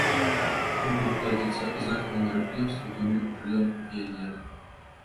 Тут будуць ладзіцца знакавыя мерапрыемствы, у тым ліку прыём у піянеры.